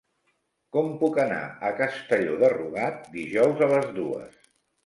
Com puc anar a Castelló de Rugat dijous a les dues?